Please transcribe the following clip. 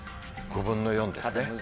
５分の４ですね。